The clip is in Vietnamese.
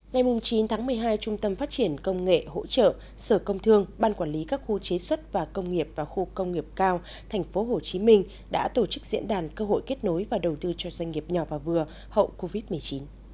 ngày chín tháng một mươi hai trung tâm phát triển công nghệ hỗ trợ sở công thương ban quản lý các khu chế xuất và công nghiệp và khu công nghiệp cao tp hcm đã tổ chức diễn đàn cơ hội kết nối và đầu tư cho doanh nghiệp nhỏ và vừa hậu covid một mươi chín